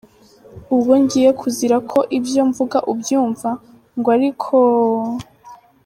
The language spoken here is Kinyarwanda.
Ubwo ngiye kuzira ko ibyo mvuga ubyumva? Ngo ariko…….